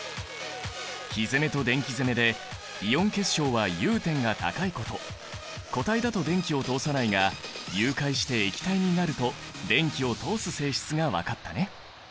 火攻めと電気攻めでイオン結晶は融点が高いこと固体だと電気を通さないが融解して液体になると電気を通す性質が分かったね。